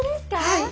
はい。